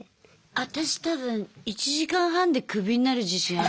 私多分１時間半でクビになる自信ある。